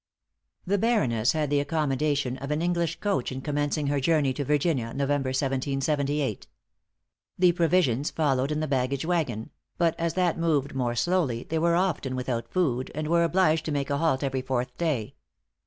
The Baroness had the accommodation of an English coach in commencing her journey to Virginia, November, 1778. The provisions followed in the baggage wagon; but as that moved more slowly, they were often without food, and were obliged to make a halt every fourth day.